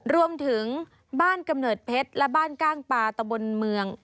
รวมถึงบ้านกำเนิดเพชรและบ้านก้างปลาตะบนเมือง